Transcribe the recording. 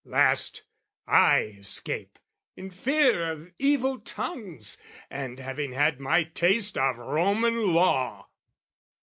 "Last, I escape, in fear of evil tongues, "And having had my taste of Roman law."